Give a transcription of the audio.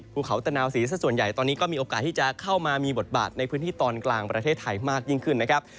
ภูเขาตะนาวศรีสักส่วนใหญ่ตอนนี้ก็มีโอกาสที่จะเข้ามามีบทบาทในพื้นที่ตอนกลางประเทศไทยมากยิ่งขึ้นนะครับ